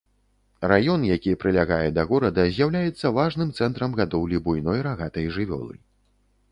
Раён, які прылягае да горада, з'яўляецца важным цэнтрам гадоўлі буйной рагатай жывёлы.